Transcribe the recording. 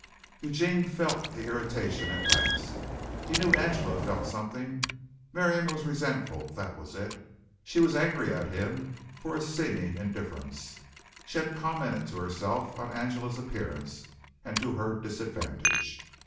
Eugene felt the irritation at last. He knew Angela felt something. Miriam was resentful, that was it. She was angry at him for his seeming indifference. She had commented to herself on Angela's appearance and to her disadvantage.